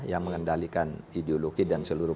yang mengendalikan ideologi dan seluruh